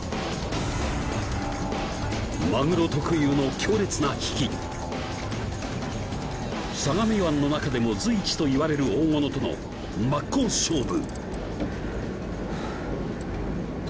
マグロ特有の強烈な引き相模湾の中でも随一と言われる大物との真っ向勝負！